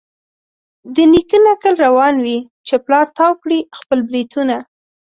د نیکه نکل روان وي چي پلار تاو کړي خپل برېتونه